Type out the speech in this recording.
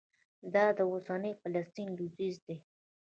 دا د اوسني فلسطین لوېدیځ دی.